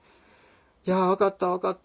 「いや分かった分かった」